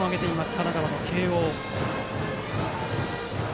神奈川の慶応。